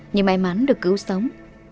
nhưng may mắn được cứu sống